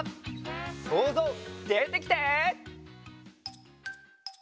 そうぞうでてきて！